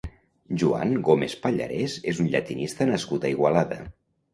Joan Gómez Pallarès és un llatinista nascut a Igualada.